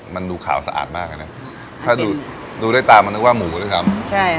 มันดูขาวสะอาดมากไงถ้าดูดูได้ตามมันนึกว่าหมูหรือครับใช่ค่ะ